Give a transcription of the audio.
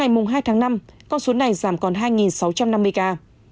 ngày hai tháng năm con số này giảm còn hai sáu trăm năm mươi ca